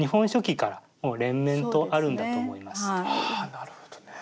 なるほどね。